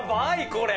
これ！